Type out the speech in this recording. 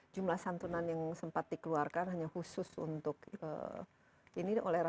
jumlah santunan yang sempat dikeluarkan hanya khusus untuk ini oleh rakyat